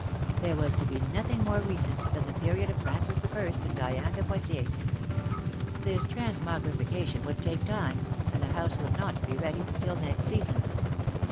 There was to be nothing more re cent than the period of Francis the First and Diane de Poictiers. This transmogrification would take time, and the house would not be ready till next season.